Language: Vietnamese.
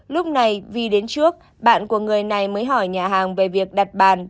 lúc này vì đến trước bạn của người này mới hỏi nhà hàng về việc đặt bàn